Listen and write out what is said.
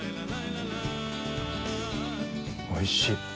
おいしい！